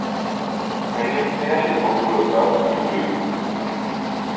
Un éclair les enveloppa tous deux.